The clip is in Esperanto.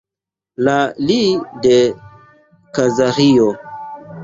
La li de Kazaĥio.